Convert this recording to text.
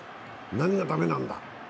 何が駄目なんだ？